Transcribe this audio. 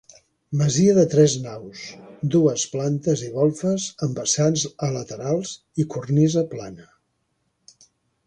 Masia de tres naus, dues plantes i golfes amb vessants a laterals i cornisa plana.